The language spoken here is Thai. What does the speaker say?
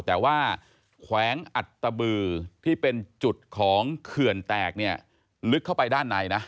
แต่ว่าแขวงอัตตบือที่เป็นจุดของเขื่อนแตกเนี่ยลึกเข้าไปด้านในนะ